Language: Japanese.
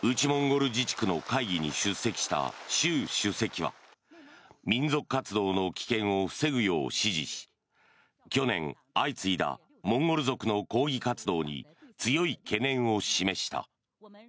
モンゴル自治区の会議に出席した習主席は民族活動の危険を防ぐよう指示し去年相次いだモンゴル族の抗議活動に強い懸念を示した。